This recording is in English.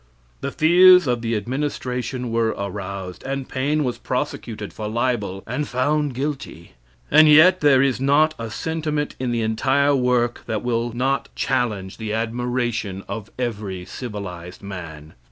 The fears of the administration were aroused, and Paine was prosecuted for libel, and found guilty; and yet there is not a sentiment in the entire work that will not challenge the admiration of every civilized man.